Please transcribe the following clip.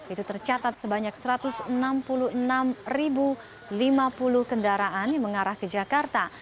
itu tercatat sebanyak satu ratus enam puluh enam lima puluh kendaraan yang mengarah ke jakarta